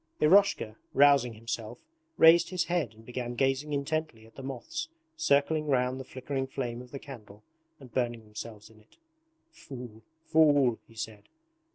Eroshka, rousing himself, raised his head and began gazing intently at the moths circling round the flickering flame of the candle and burning themselves in it. 'Fool, fool!' he said.